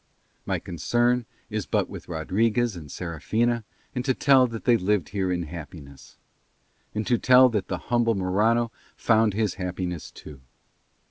My concern is but with Rodriguez and Serafina and to tell that they lived here in happiness; and to tell that the humble Morano found his happiness too.